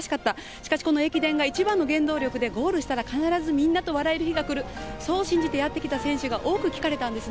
しかし駅伝が一番の原動力でゴールしたら必ずみんなと笑える日が来る、そう信じてやってきた選手が多いと聞かれました。